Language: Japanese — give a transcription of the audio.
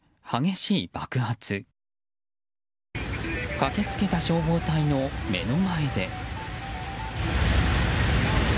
駆けつけた消防隊の目の前で。